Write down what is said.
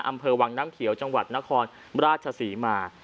อำเภอวังน้ำเขียวจังหวัดนครราชศรีมา